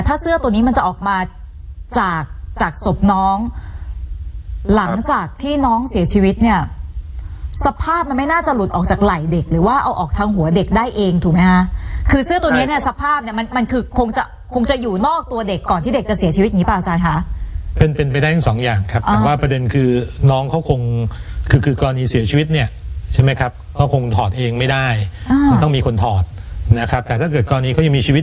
แต่ไม่ได้ผลัดต้องมีหมายถึงว่าผลัดแขนแขนเสื้อสีขาว่าผลัดออกไปข้างหนึ่งครับ